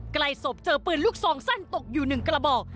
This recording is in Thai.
ใกล้ศพเจอปืนลูกซองสั้นตกอยู่๑กระบอก